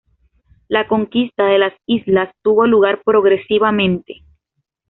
La conquista de las islas tuvo lugar progresivamente.